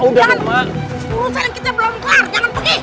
bisa kita belom kelar jangan pergi